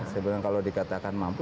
sebetulnya kalau dikatakan mampu